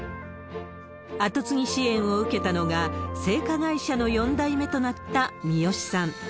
アトツギ支援を受けたのが、製菓会社の４代目となった三好さん。